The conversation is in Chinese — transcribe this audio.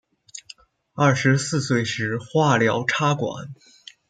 二十四岁时化疗插管